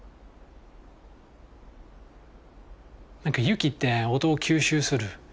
何か雪って音を吸収する。